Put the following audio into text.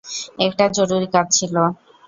একটা জরুরী কাজ ছিল।